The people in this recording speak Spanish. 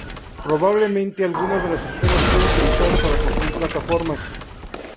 Probablemente algunas de las estelas fueron utilizadas para construir plataformas.